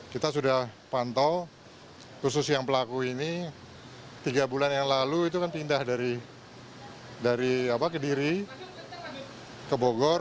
kita sudah pantau khusus yang pelaku ini tiga bulan yang lalu itu kan pindah dari kediri ke bogor